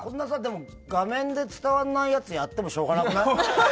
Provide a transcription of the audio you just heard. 画面で伝わらないやつやってもしょうがなくない？